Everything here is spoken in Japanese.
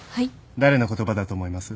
誰の言葉だと思います？